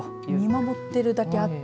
見守ってるだけあって。